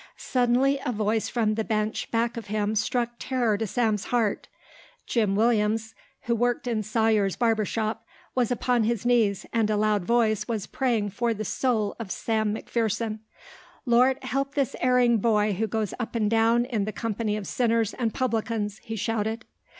Suddenly a voice from the bench back of him struck terror to Sam's heart. Jim Williams, who worked in Sawyer's barber shop, was upon his knees and in a loud voice was praying for the soul of Sam McPherson. "Lord, help this erring boy who goes up and down in the company of sinners and publicans," he shouted.